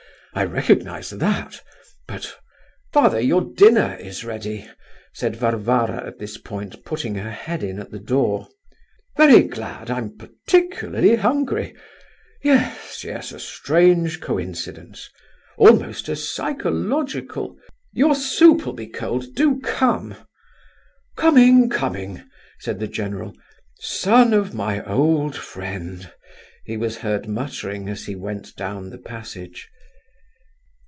I recognize that... but—" "Father, your dinner is ready," said Varvara at this point, putting her head in at the door. "Very glad, I'm particularly hungry. Yes, yes, a strange coincidence—almost a psychological—" "Your soup'll be cold; do come." "Coming, coming," said the general. "Son of my old friend—" he was heard muttering as he went down the passage.